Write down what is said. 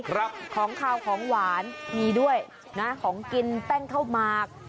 ของขาวของหวานมีด้วยนะของกินแป้งข้าวหมาก